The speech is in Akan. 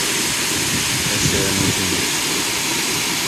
Ɛhyɛɛ no den.